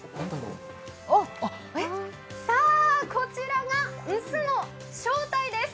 さあ、こちらが「ンス」の正体です。